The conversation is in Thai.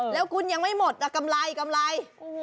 แล้วคุณยังไม่หมดกำไรกำไร